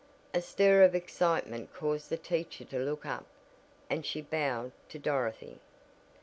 A stir of excitement caused the teacher to look up and she bowed to Dorothy.